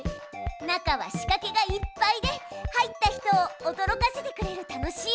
中は仕かけがいっぱいで入った人をおどろかせてくれる楽しいおうちよ。